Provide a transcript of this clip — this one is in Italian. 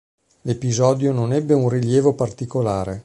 L'episodio non ebbe un rilievo particolare.